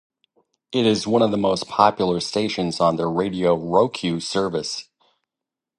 It is one of the most popular stations on the Radio Roku service.